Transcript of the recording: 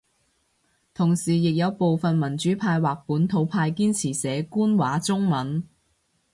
同時亦有部份民主派或本土派堅持寫官話中文